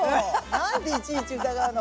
何でいちいち疑うの？